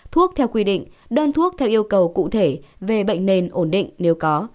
thuốc theo quy định đơn thuốc theo yêu cầu cụ thể về bệnh nền ổn định nếu có